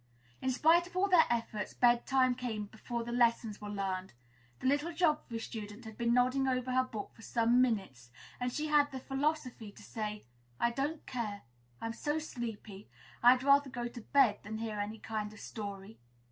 In spite of all their efforts, bed time came before the lessons were learned. The little geography student had been nodding over her book for some minutes, and she had the philosophy to say, "I don't care; I'm so sleepy. I had rather go to bed than hear any kind of a story."